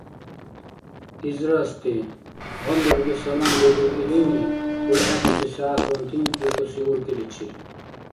— ИзрастӀи! — гъамиубли салам бедиб илини улхӀехъуси сягӀятван тимхъбикӀуси уркӀиличил.